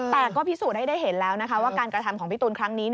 แต่ก็พิสูจน์ให้ได้เห็นแล้วนะคะว่าการกระทำของพี่ตูนครั้งนี้